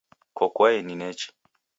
Koko aeni nechi